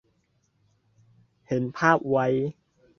เห็นภาพไว้